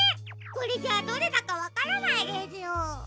これじゃあどれだかわからないですよ。